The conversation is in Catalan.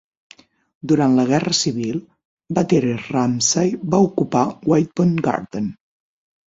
Durant la Guerra Civil, Battery Ramsay va ocupar White Point Garden.